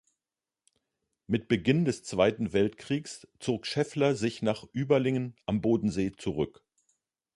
Mit Beginn des Zweiten Weltkriegs zog Scheffler sich nach Überlingen am Bodensee zurück.